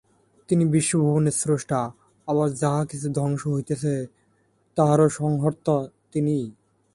তিনি বিশ্বভুবনের স্রষ্টা, আবার যাহা কিছু ধ্বংস হইতেছে, তাহারও সংহর্তা তিনিই।